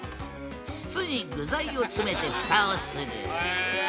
筒に具材を詰めてふたをするうわ！